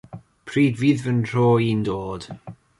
Pryd fydd fy nhro i'n dod?